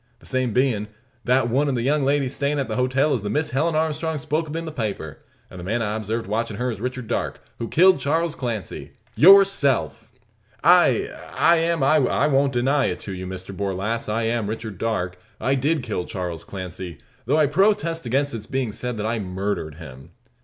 The same bein', that one of the young ladies stayin' at the hotel is the Miss Helen Armstrong spoke of in the paper; and the man I observed watchin' her is Richard Darke, who killed Charles Clancy yourself!" "I I am I won't I don't deny it to you, Mr Borlasse. I am Richard Darke. I did kill Charles Clancy; though I protest against its being said I murdered him."